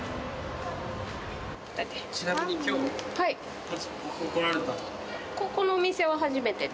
ちなみに今日ここ来られたのは。